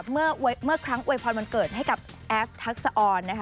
เมื่อครั้งอวยพรวันเกิดให้กับแอฟทักษะออนนะคะ